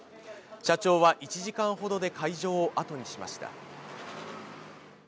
社長は１時間ほどで会場を後にしました。